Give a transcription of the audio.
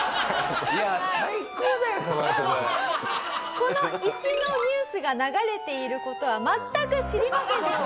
この石のニュースが流れている事は全く知りませんでした。